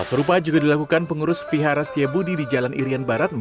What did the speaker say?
halsorupa juga dilakukan pengurus fihara setia budi di jalan irianak